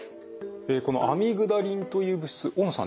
このアミグダリンという物質大野さん